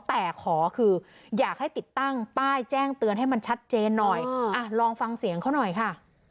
แต่ขอคืออยากให้ติดตั้งป้ายแจ้งเตือนให้มันชัดเจนหน่อยลองฟังเสียงเขาหน่อยค่ะ